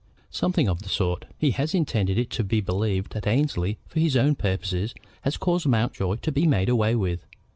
"Something of the sort. He has intended it to be believed that Annesley, for his own purposes, has caused Mountjoy to be made away with.